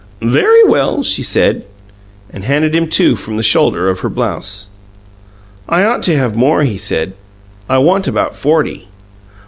"Very well," she said, and handed him two from the shoulder of her blouse. "I ought to have more," he said. "I want about forty."